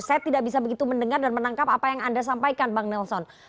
saya tidak bisa begitu mendengar dan menangkap apa yang anda sampaikan bang nelson